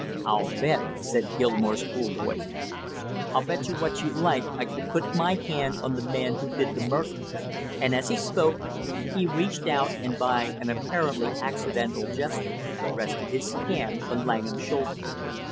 "I'll bet," said Gilmore's cool voice, "I'll bet you what you like I could put my hand on the man who did the murder!" and as he spoke he reached out and by an apparently accidental gesture, rested his hand on Langham's shoulder.